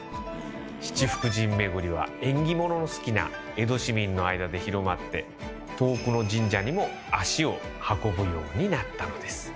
「七福神めぐり」は縁起物の好きな江戸市民の間で広まって遠くの神社にも足を運ぶようになったのです。